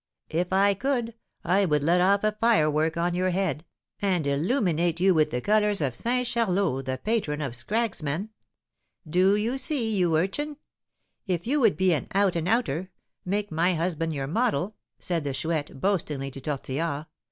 If I could, I would let off a firework on your head, and illuminate you with the colours of Saint Charlot, the patron of 'scragsmen.' Do you see, you urchin? If you would be an 'out and outer,' make my husband your model," said the Chouette, boastingly to Tortillard.